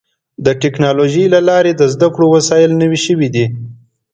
د ټکنالوجۍ له لارې د زدهکړې وسایل نوي شوي دي.